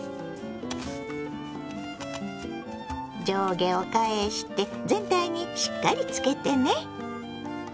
上下を返して全体にしっかりつけてね。